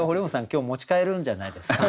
今日持ち帰るんじゃないですか？